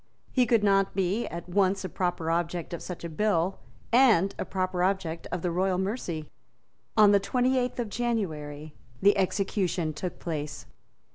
He could not be at once a proper object of such a bill and a proper object of the royal mercy. On the twenty eighth of January the execution took place.